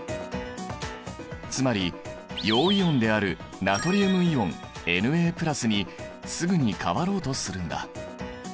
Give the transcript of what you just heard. つまり陽イオンであるナトリウムイオンＮａにすぐに変わろうとするんだ。